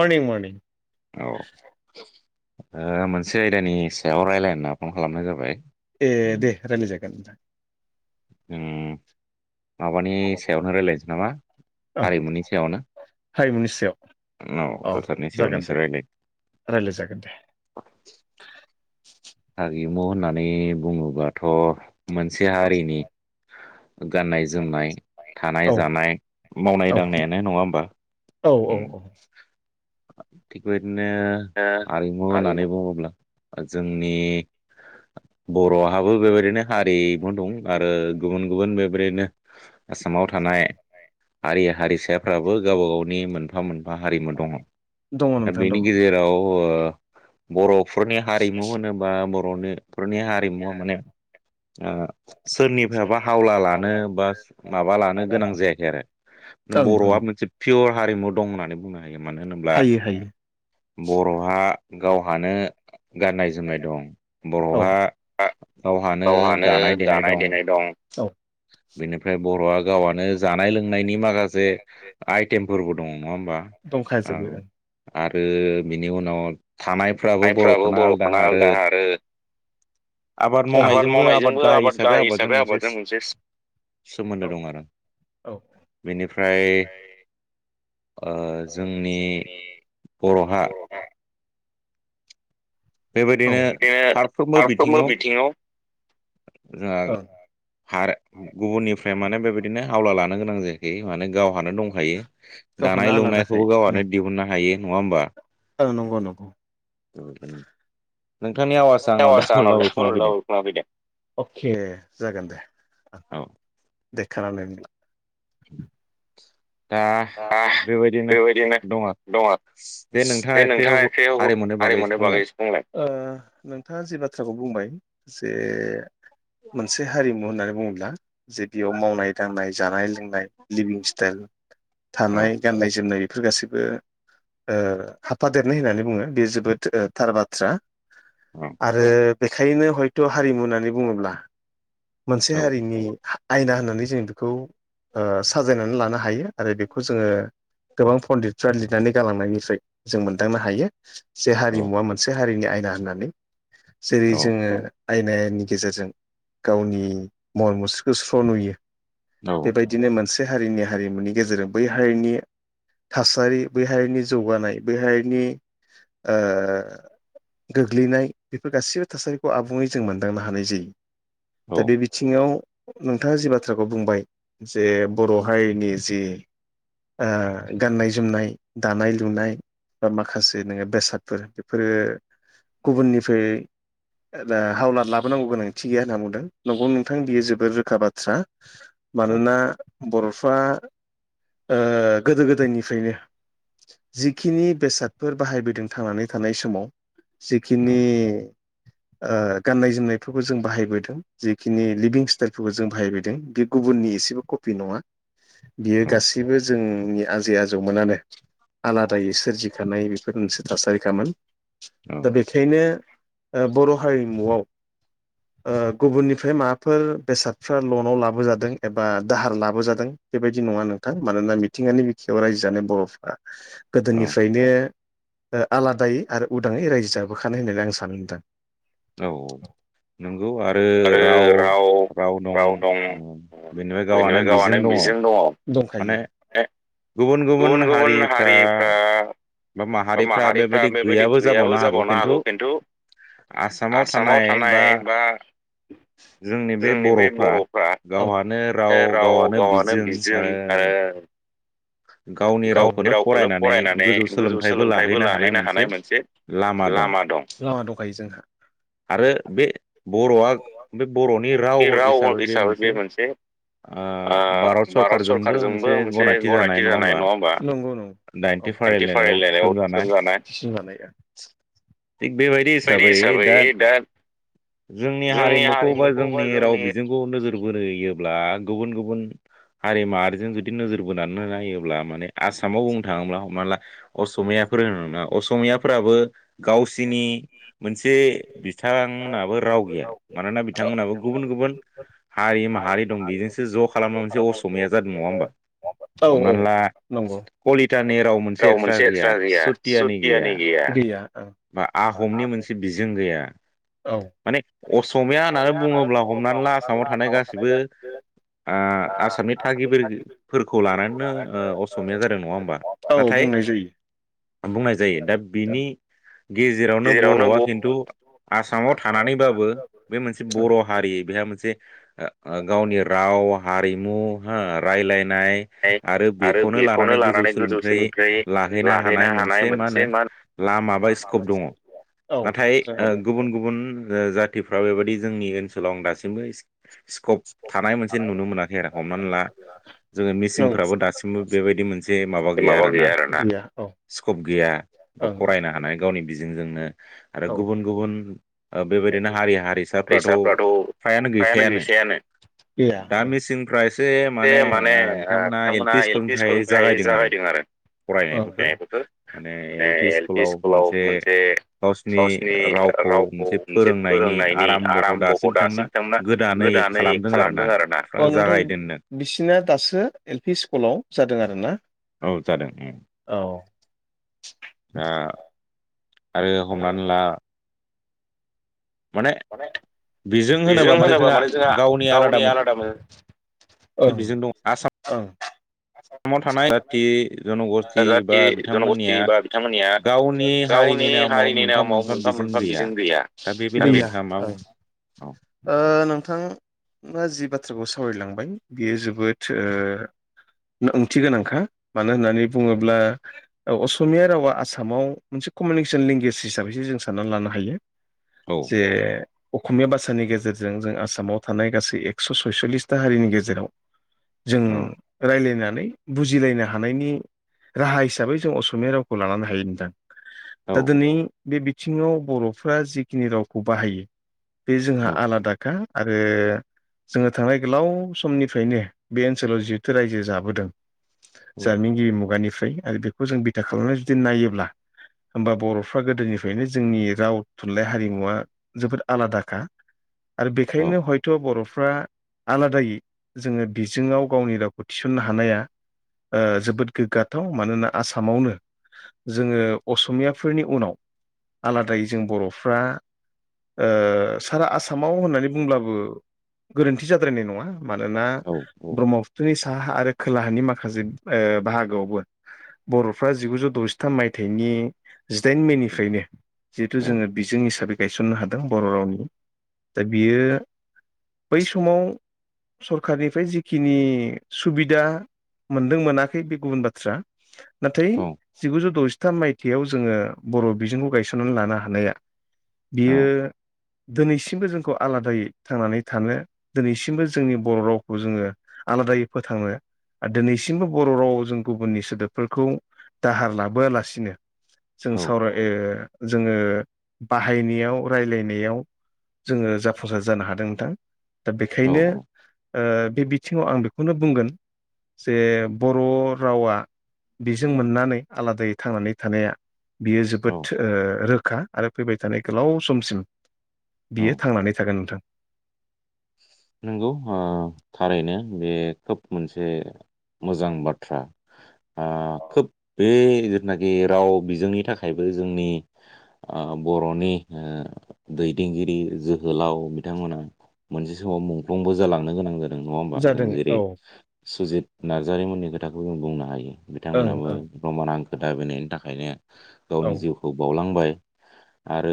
मरनिं मरनिं औ मोनसे आयदानि सायाव रायलायनो होनना फन खालामनाय जाबाय ए दे रायज्लाय जागोन [inaudible] माबानि सायावनो रायलायनोसै नामा हारिमुनि सायावनो? हारिमुनिसो सायाव। औ जागोन दे रायलाय जागोन दे। [inaudible] रिमु होननानै बुङोबाथ' मोनसे हारिनि गाननाय जोमनाय थानाय जानाय मावनाय दांनायानो नङा होमबा? औ औ औ। थिग बेबायदिनो आरिमु होननानै बुङोब्ला जों नि बर'हाबो बेबायदिनो हारिमु दं आरो गुबुन गुबुन बेबायदिनो आसामाव थानाय हारि हारिसाफ्राबो गावबा गावनि मोनफा मोनफा हारिमु दङ। दा बेनि गेजेराव ओ बर'फोरनि मु होनोबा बर'नो फोरनि हारिमुआ माने ओ सोरनिफ्रायबा हावला लानो बा माबा लानो गोनां जायाखै आरो। बर'आ मोनसे पियर हारिमु दं होननानै बुंनो हायो मानो होनोब्ला बर'हा गावहानो गाननाय जोमनाय दं बर'हा गावहानो दानाय देनाय दं। औ बेनिफ्राय बर'आ गावहानो जानाय लों नायनि माखासे आइथेमफोरबो दङ नङा होमबा? औ आरो बिनि उनाव थानायफ्राबो बर'फोरना आलदा आरो आबाद मावनायजोंबो आबाद गाहाइ हिसाबै आबादजों मोनसे सोमोन्दो दं आरो बेनिफ्राय ओ जोंनि बर'हा बिबायदिनो फारफ्रोमबो बिथिंआव जोंहा हार गुबुननिफ्राय माने बेबायदिनो हावला लानो नो गोनां जायाखै माने गावहानो दंखायो दानाय लुनायखौबो गावहानो दिहुननो हायो। नङा होमबा? ओं नंगौ नंगौ। नोंथां। नोंथांनि आवासआ आंनाव दाबल दाबल खोनाफैदों। अके जागोन दे दे खोनानाय नोंला। [inaudible] दा बेबायदिनो दङ आरो । दे नोंथाङा एसे हारिमुनि बागै एसे बुंलाय? जे मोनसे हारिमु होननानै बुङो ब्ला जे बेयाव मावनाय दांनाय जानाय लोंनाय लिभिं स्टाइल थानाय गाननाय जोमनाय बेफोर गासैबो ओ हाबफादेरनाय होननानै बुङो बे जोबोद ओ थार बाथ्रा। आरो बेखायनो हयथ' हारिमु होननानै बुङोब्ला मोनसे हारिनि आयना होननानै जों बेखौ ओ साजायनानै लानो हायो आरो बेखौ जोङो गोबां पन्डितफ्रा लिरनानै गालांनायनिफ्राय जों मोन्दांनो हायो जे हारिमुवा मोनसे हारिनि आय ना होननानै। जेरै जोङो आयनानि गेजेरजों गावनि महर मुस्रिखौ स्र' नुयो बेबायदिनो मोनसे मोनसे हारिनि हारिमुनि गेजेरजों बै हारिनि थासारि बै हारिनि जौगानाय बै हारिनि ओ गोग्लैनाय बेफोर गासैबो थासारिखौ आबुङै जों मोनदांनो हानाय जायो। दा बे बिथिङाव नोंथाङा जि बाथ्राखौ बुंबाय जे बर' हारिनि जि ओ गाननाय जोमनाय दानाय लुनाय। बा माखासे नोङो बेसादफोर बेफोरो। गुबुननिफ्राय हावलार लाबोनांगौ गोनांथि गैया होनना बुंदों। नंगौ नोंथां बियो जोबोद रोखा बाथ्रा मानोना बर'फ्रा ओ गोदो गोदायनिफ्रायनो जिखिनि बेसादफोर बाहायबोदों थांनानै थानाय समाव। जिखिनि ओ गाननाय जोमनायफोरखौ जों बाहायबोदों जिखिनि लिभिं स्टाइल [unintelligible] जों बाहायबायदों बे गुबुननि एसेबो कपि नङा । बियो गासिबो जोंनि आजै आजौमोनानो आलादायै सोरजिखानाय बेफोर मोनसे थासारिखामोन दा बेखायनो ओ बर' हारिमुआव ओ गुबुननिफ्राय माबाफोर बेसादफ्रा लनाव लाबोजादों एबा दाहार लाबोजादों, बेबायदि नङानो । थां मानोना मिथिंगानि बिखायाव रायजो जानाय बर'फ्रा गोदोनिफ्रायनो आलादायै आरो उदाङै रायजो जाबोखानाय होननानै आं सानो नोंथां । आरो राव-राव दं। बेनिफ्राय गावानो मिजिं दङ । दंखायो ए गुबुन गुबुन हारिफ्रा बा माहारिफ्रा बेबायदि गैयाबो जाबावनो हागौ खिन्थु आसामाव थानाय बा जोंनि बे बर'फ्रा औ राव गावआनो बिजों आरो गावनि रावखौनो फरायनानै गोजौ सोलोंथाइबो लाहैनो हानाय मोनसे लामा दं लामा दंखायो जोंहा। आरो बे बर'आ बे बर'नि राव हिसाबै बे मोनसे ओ भारत सरकारजोंबो मोनसे गनायथि गनायथि जानाय नङा होमबा? नंगौ-नंगौ ओ, दाइनथि फारिलायाव थिसनजानाय । थिग बेबायदि हिसाबै दा जोंनि हारिमुखौ बा जोंनि राव बिजोंखौ नोजोर [unintelligible] ब्ला गुबन-गुबुन हारि-माहारि जों जुदि नोजोर बोनानै नायोब्ला माने आसामाव बुंनो थाङोब्ला हमना ला असमियाफोर होनोना असमियाफोरा बो गावसिनि मोनसे बिथांमोनाबो राव गैया मानोना बिथांमोनाबो गुबुन-गुबुन गुबुन हारि माहारि दं बेजोंसो ज' खालामना मोनसे असमिया जादों नङा होमबा? हमना ला कलितानि राव मोनसे एक्सट्रा गैया, सुतियानि गैया। [unintelligible] आहमनि मोनसे बिजों गैया। माने असमिया होननानै बुङोब्ला हमनानै ला आसामाव थानाय गासिबो आ-आसामनि थागिबि फोरखौ लानानैनो ओ असमिया जादों नङा होमबा नाथाय बुंनाय जायो दा बिनि गेजेरावनो बर'आ खिन्थु आसामाव थानानैबाबो बे मोनसे बर' हारि बेहा मोनसे आ-आ गावनि राव राव हारिमु हो रायलायनाय नाय आरो बेखौनो लानानै गोजौ सोलोंथाइ लाहैनो हानाय मोनसे मा होनो लामा बा स्कप दङ नाथाय ओ गुबुन-गुबुन जाथि [unintelligible] बेबायदि जोंनि ओनसोलाव आं दासिमबो स्कप थानाय मोनसे नुनो मोनाखै आरो, हमनानै ला जोङो मिसिंफ्राबो दासिमबो बेबायदि मोनसे माबा गैया आरोना। स्कप गैया बा फरायनो हानाय गावनि बिजोंजों । आरो गुबुन-गुबुन ओ बेबायदिनो हारि हारिसाफ्राथ' फ्रायानो गैखायानो। दा मिसिंफ्रा एसे माने आ बिथांमोना एल पि स्कुलनिफ्राय जागायदों आरो फरायनायफोरखौ। माने एल पि स्कुलाव मोनसे गावसिनि रावखौ मोनसे फोरोंनायनि आराम्भ'खौ दासो बिथांमोना गोदानै खालामदों आरोना फ्रा जागाय जेनदों। बिसिनिया दासो एल पि स्कलाव जादों आरो ना औ दा आरो हमनानै ला माने बेजों होनोब्ला माने जोंहा गावनि आलादाबो बिजों दं आसाम आसामनि सिङाव थानाय जाथि जनगस्थि बा बिथांमोननिया गावनि हारिनि नामाव मोनफा मोनफा बिजों गैया दा औ ओ नोंथाङा जि बाथ्राखौ सों सावरायलांबाय बियो जोबोद ओ ओंथि गोनांखा मानो होननानै बुङोब्ला असमिया रावा आसामाव मोनसे कमिउनिकेसन लेंगुवेज हिसाबैसो जों सानना लानो हायो जे अखमिया भाषानि गेजेरजों जों आसामाव थानाय गासै एक्स' सयस्लिसथा हारिनि गेजेराव जों रायलायनानै बुजिलायनो हानायनि राहा हिसाबै जों असमिया रावखौ लानानै हायो नोंथां। दा दिनै बे बिथिङाव बर'फ्रा जिखिनि रावखौ बाहायो, बे जोंहा आलादाखा आरो जोङो थांनाय गोलाव समनिफ्रायनो बे ओनसोलाव जिहेथु रायजो जाबोदों जारिमिनगिरि मुगानिफ्राय आरो बेखौ जों बिथा खालामनानै जुदि नायोब्ला होमबा बर'फ्रा गोदोनिफ्रायनो जोंनि राव, थुनलाइ, हारिमुवा जोबोद आलादाखा आरो बेखायनो हयथ' बर' फ्रा आलादायै जोङो बिजोङाव गावनि रावखौ थिसननो हानाया ओ जोबोद गोग्गाथाव मानोना आसामावनो जोङो असमियाफोरनि उनाव आलादायै जों बर'फ्रा ओ सारा आसामाव होननानै बुंब्लाबो गोरोन्थि जाद्रायनाय नङा। मानोना ब्रह्मपुत्रनि साहा आरो खोलाहानि माखासे ओ बाहागोआवबो बर'फ्रा जिगुजौ द'जिथाम मायथाइनि जिदाइन मेनिफ्रायनो जिहेथु जोङो बिजों हिसाबै गायसननो हादों बर' रावनि दा बियो बै समाव सरखारनिफ्राय जिखिनि सुबिदा मोनदों मोनाखै बे गुबुन बाथ्रा। नाथाय जिगुजौ द'जिथाम मायथाइयाव जोङो बर' बिजोंखौ गायसननानै लानो हानाया बियो दिनैसिमबो जोंखौ आलादायै थांनानै थानो दिनैसिमबो जोंनि बर' रावखौ जोङो आलादायै फोथांनो दिनैसिमबो बर' रावाव जों गुबुननि सोदोबफोरखौ दाहार लाबोआलासिनो जों सावरायो जोङो बाहायनायाव रायलायनायाव जोङो जाफुंसार जानो हादों नोंथां। दा बेखायनो ओ बे बिथिङाव आं बेखौनो बुंगोन जे बर' रावा बिजों मोननानै आलादायै थांनानै थानाया बियो जोबोद ओ रोखा आरो फैबाय थानाय गोलाव समसिम बियो थांनानै थागोन नोंथां। नंगौ ओ थारैनो बे खोब मोनसे मोजां बाथ्रा ओ खोब बे जिथुनाखि राव बिजोंनि थाखायबो जोंनि ओ बर'नि ओ दैदेनगिरि जोहोलाव बिथांमोन [unintelligible] मोनसे समाव मुंख्लंबो जालांनो गोनां जादों नङा होमबा? जों जेरै सुजित [unintelligible] नार्जारिमोननि खोथाखौनो जों बुंनो हायो। बिथांमोनहाबो रमान हांखो दाबिनायनि थाखायनो गावनि जिउखौ बावउलांबाय। आरो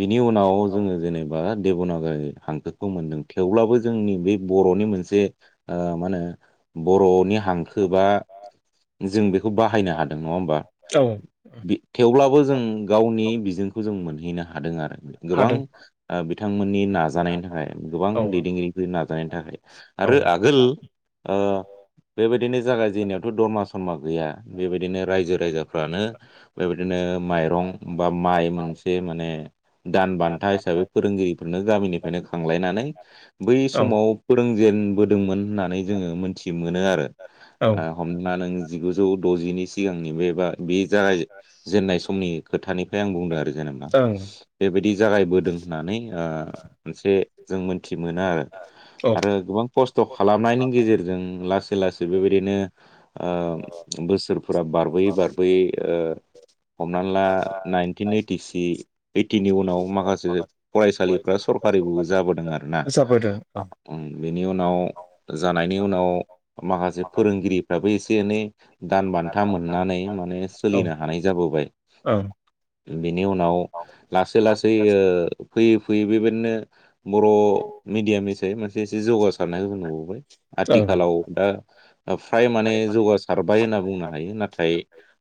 बिनि उनाव जोङो जेनेबा देब'नागिरि हांखोखौ मोनदों थेवब्लाबो जोंनि बे बर'नि मोनसे ओं मा होनो बर'नि हांखो बा जों बे बेखौ बाहायनो हादों नङा होनबा? बि-थेवब्लाबो जों गावनि बिखौ जों मोनहैनो हादों आरो गोबां बिथांमोननि [unintelligible] थाखाय गोबां दैदेनगिरिफोर नाजानायनि थाखाय आरो आगोल बेबायदिनो जागाय जोननायावथ' द'मास [unintelligible] गैया बेबायदिनो रायजो- राजाफ्रानो बेबायदिनो माइरं बा माइ मोनसे माने दान बान्था हिसाबै फोरोंगिरिफोरनो गामिनि बोखांलायनानै बै समाव फोरोंजेनबोदोंमोन होननानै जोङो मोनथि मोनो आरो। ओ हमना नों जिगुजौ द'जिनि सिगांनि बे, बा बे जागायजेननाय समनि खोथानिफ्राय आं बुंदों आरोखि। जेनेबा बेबायदि जागायबोदों होननानै ओ मोनसे जों [unintelligible] [unintelligible] मोनो आरो आरो गोबां खस्थ' खालामनायनि गेजेरजों लासै- लासै बेबायदिनो ओ बोसोरफोरा बारबोयै -बारबोयै हमना ला नाइनटिन ओइटिसि ओइटिनि उनाव माखासे फरायसालिफ्रा [unintelligible] [unintelligible] जाबोदों आरोना बेनि उनाव जानायनि उनाव माखासे फोरोंगिरिफ्राबो एसे -एनै दान -बान्था मोननानै माने सोलिनो हानाय जाबोबाय। बेनि उनाव लासै- लासै ओ फैयै -फैयै बेबायदिनो बर' मिडियामनिसै मोनसे एसे जौगासार [unintelligible] आथिखालाव दा फ्राय माने जौगासारबाय होनना बुंनो हायो ।नाथाय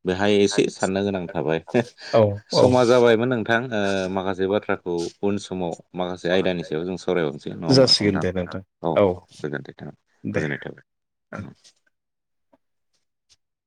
बेहाय एसे साननो गोनां थाबाय। समा जाबायमोन नोंथां ओ माखासे बाथ्राखौ उन समाव [unintelligible] जासिगोन दे नोंथां। औ दे। [unintelligible] [unintelligible]